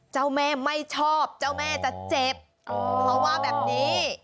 เจ้าแม่ไม่ชอบเจ้าแม่จะเจ็บเขาว่าแบบนี้